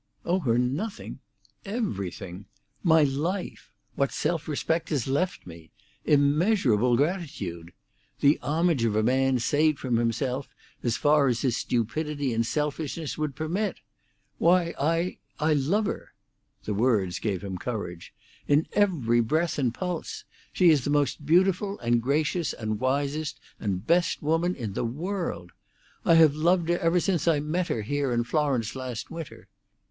"Owe her nothing? Everything! My life! What self respect is left me! Immeasurable gratitude! The homage of a man saved from himself as far as his stupidity and selfishness would permit! Why, I—I love her!" The words gave him courage. "In every breath and pulse! She is the most beautiful and gracious and wisest and best woman in the world! I have loved her ever since I met her here in Florence last winter.